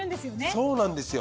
そうなんですよ。